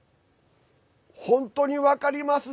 本当に分かりますね。